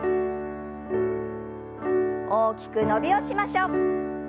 大きく伸びをしましょう。